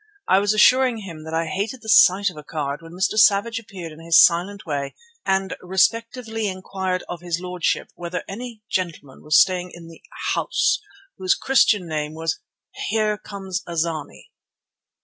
I was assuring him that I hated the sight of a card when Mr. Savage appeared in his silent way and respectfully inquired of his lordship whether any gentleman was staying in the house whose Christian name was Here come a zany.